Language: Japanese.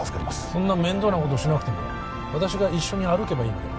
そんな面倒なことしなくても私が一緒に歩けばいいのでは？